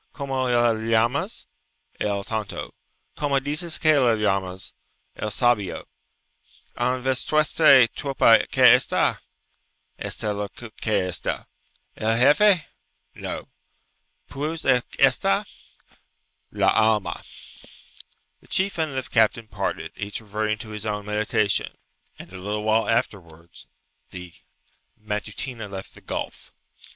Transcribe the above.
"Como le llamas?" "El tonto." "Como dices que le llamas?" "El sabio." "En vuestre tropa que esta?" "Esta lo que esta." "El gefe?" "No." "Pues que esta?" "La alma." The chief and the captain parted, each reverting to his own meditation, and a little while afterwards the Matutina left the gulf.